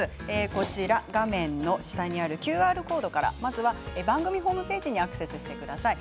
こちら、画面の下にあるＱＲコードからまずは番組ホームページにアクセスしてください。